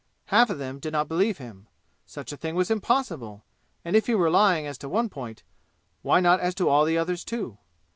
Half of them did not believe him. Such a thing was impossible, and if he were lying as to one point, why not as to all the others, too?